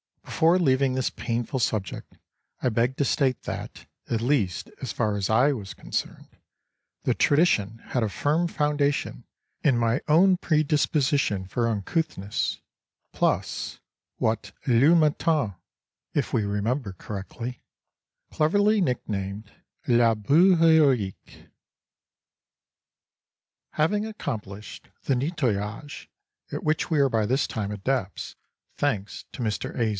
Before leaving this painful subject I beg to state that, at least as far as I was concerned, the tradition had a firm foundation in my own predisposition for uncouthness plus what Le Matin (if we remember correctly) cleverly nicknamed La Boue Héroïque. Having accomplished the nettoyage (at which we were by this time adepts, thanks to Mr. A.